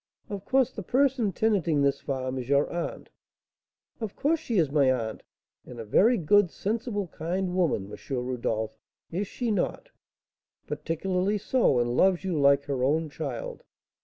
Of course, the person tenanting this farm is your aunt." "Of course she is my aunt, and a very good, sensible, kind woman, M. Rodolph, is she not?" "Particularly so, and loves you like her own child."